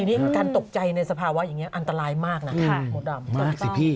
ทีนี้การตกใจในสภาวะอย่างนี้อันตรายมากนะมดดำมากสิพี่